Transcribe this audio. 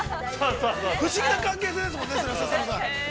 ◆不思議な関係性ですもんね。